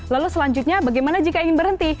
lalu selanjutnya bagaimana jika ingin berhenti